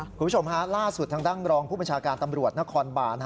คุณผู้ชมฮะล่าสุดทางด้านรองผู้บัญชาการตำรวจนครบาน